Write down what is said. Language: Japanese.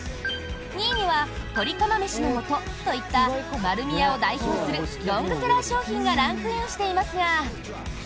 ２位には「とり釜めしの素」といった丸美屋を代表するロングセラー商品がランクインしていますが。